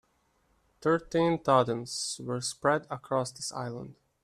Thirteen totems were spread across this island.